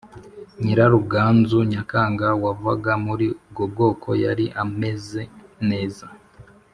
Nyiraruganzu Nyakanga wavaga muri ubwo bwoko yari amaze neza